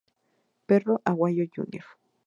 Perro Aguayo Jr.